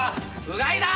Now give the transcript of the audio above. うがいだ！